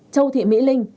một châu thị mỹ linh